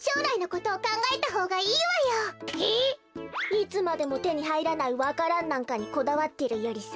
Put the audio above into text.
いつまでもてにはいらないわか蘭なんかにこだわってるよりさ。